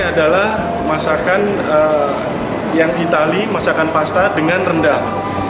ini adalah masakan yang itali masakan pasta dengan rendang